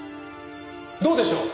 どうでしょう？